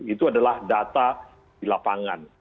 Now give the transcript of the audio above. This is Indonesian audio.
itu adalah data di lapangan